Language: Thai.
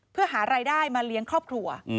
เพื่อหารายได้มาเลี้ยงครอบครัว